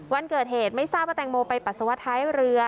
วันเกิดเหตุไม่ทราบว่าแตงโมไปปัสสาวะท้ายเรือ